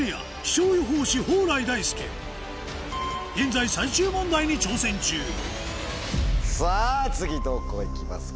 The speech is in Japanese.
現在最終問題に挑戦中さぁ次どこいきますか？